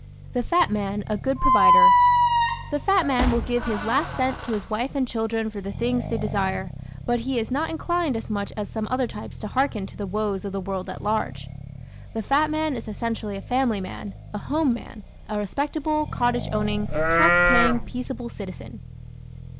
The Fat Man a Good Provider ¶ The fat man will give his last cent to his wife and children for the things they desire but he is not inclined as much as some other types to hearken to the woes of the world at large. The fat man is essentially a family man, a home man, a respectable, cottage owning, tax paying, peaceable citizen.